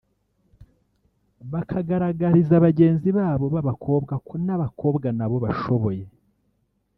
bakagaragariza bagenzi babo b’abakobwa ko n’abakobwa nabo bashoboye